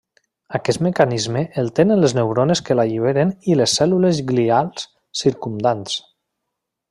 Aquest mecanisme el tenen les neurones que l'alliberen i les cèl·lules glials circumdants.